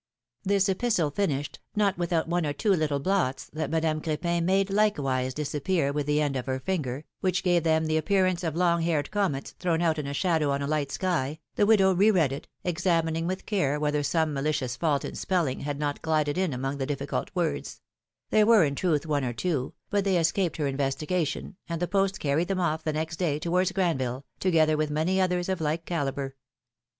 This epistle finished, not without one or two little blots, that Madame Cr6pin made likewise disappear with the end of her finger, which gave them the appearance of long haired comets, thrown out in shadow on a light sky, the widow re read it, examining with care whether some mali cious fault in spelling had not glided in among the difficult words ; there were, in truth, one or two, but they escaped her investigation, and the post carried them off the next day towards Granville, together with many others of like calibre.